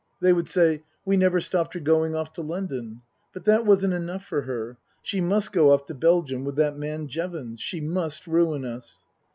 They would say :" We never stopped her going off to London. But that wasn't enough for her. She must go off to Belgium with that man Jevons. She must ruin us."